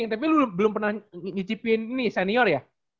geng tapi lu belum pernah ngicipin ini senior ya